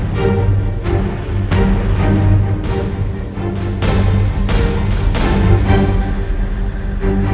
talk jadi ngomong kok